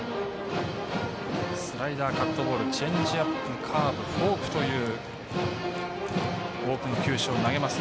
スライダー、カットボールチェンジアップカーブ、フォークという多くの球種を投げます。